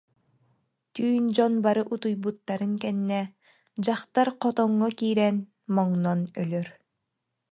Түүн дьон бары утуйбуттарын кэннэ, дьахтар хотоҥҥо киирэн моҥнон өлөр